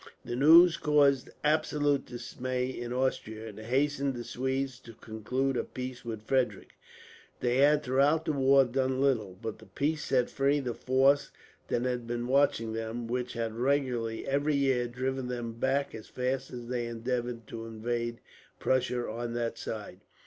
The news caused absolute dismay in Austria, and hastened the Swedes to conclude a peace with Frederick. They had throughout the war done little, but the peace set free the force that had been watching them; and which had regularly, every year, driven them back as fast as they endeavoured to invade Prussia on that side.